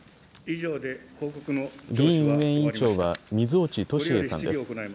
議院運営委員長は水落敏栄さんです。